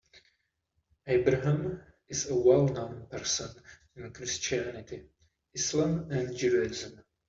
Abraham is a well known person in Christianity, Islam and Judaism.